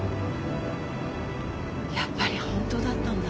やっぱり本当だったんだ。